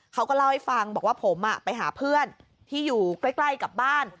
เขาก็เล่าให้ฟังบอกว่าผมไปหาเพื่อนที่อยู่ใกล้กับบ้าน